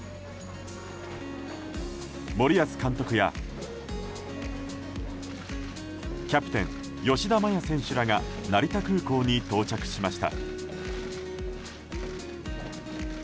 森保監督や、キャプテン吉田麻也選手らが成田空港に到着しました。